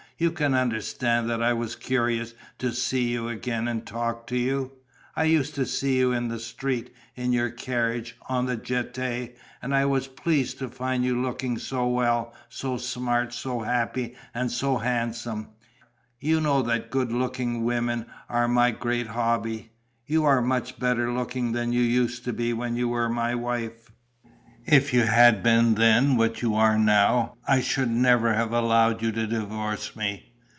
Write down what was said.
You can understand that I was curious to see you again and talk to you. I used to see you in the street, in your carriage, on the Jetée; and I was pleased to find you looking so well, so smart, so happy and so handsome. You know that good looking women are my great hobby. You are much better looking than you used to be when you were my wife. If you had been then what you are now, I should never have allowed you to divorce me....